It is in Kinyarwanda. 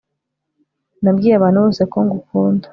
nabwiye abantu bose ko ngukunda